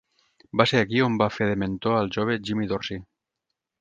Va ser aquí on va fer de mentor al jove Jimmy Dorsey.